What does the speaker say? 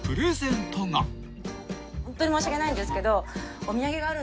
ホントに申し訳ないんですけど。